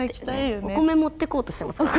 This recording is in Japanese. お米持ってこうとしてますからね。